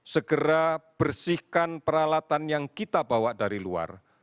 segera bersihkan peralatan yang kita bawa dari luar